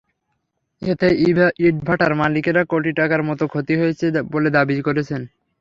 এতে ইটভাটার মালিকেরা কোটি টাকার মতো ক্ষতি হয়েছে বলে দাবি করেছেন।